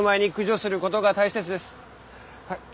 はい。